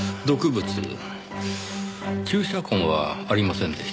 注射痕はありませんでしたねぇ。